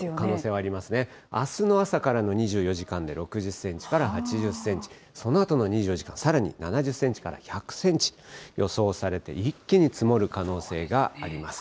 あすの朝からの２４時間で６０センチから８０センチ、そのあとの２４時間、さらに７０センチから１００センチ予想されて、一気に積もる可能性があります。